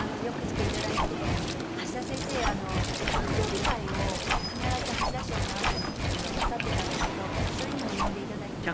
橋田先生お誕生日会を必ず橋田賞のあとになさってたんですけどそれにも呼んでいただいて。